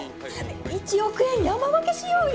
１億円山分けしようよ。